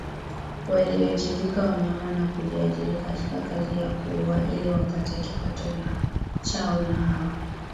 waliojivika unyama na kujiajiri katika kazi ya kuua ili wapate kipato chao Na hawa